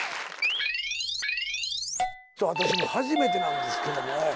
私ね初めてなんですけどね。